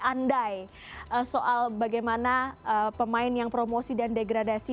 andai soal bagaimana pemain yang promosi dan degradasi